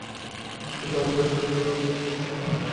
কিন্তু আমার বয়স বেড়ে যাওয়ায় আমি বিয়ার পান বন্ধ করে দিয়েছি।